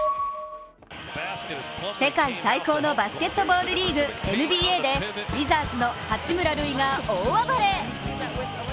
世界最高のバスケットボールリーグＮＢＡでウィザーズの八村塁が大暴れ。